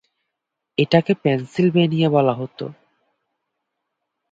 এটাকে পেনসিলভানিয়া বলা হতো।